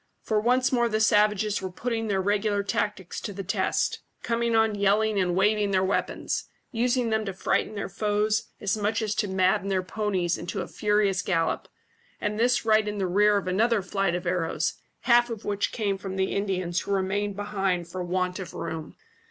For once more the savages were putting their regular tactics to the test, coming on yelling and waving their weapons, using them to frighten their foes as much as to madden their ponies into a furious gallop, and this right in the rear of another flight of arrows, half of which came from the Indians who remained behind for want of room.